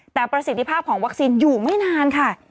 แต่ประสิทธิภาพของวัคซีนอยู่ไม่นานค่ะ